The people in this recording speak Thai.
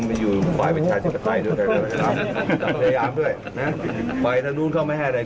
อินทรีย์ด้วยนะครับ